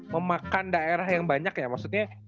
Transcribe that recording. memakan daerah yang banyak ya maksudnya